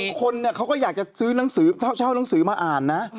คนเขาก็อยากจะซื้อหนังสือเช่าหนังสือมาอ่านนะ